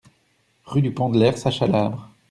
Rue du Pont de l'Hers, Chalabre